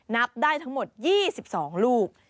นับได้ทั้งหมด๒๒ลูก